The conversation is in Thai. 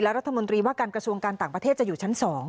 รัฐมนตรีว่าการกระทรวงการต่างประเทศจะอยู่ชั้น๒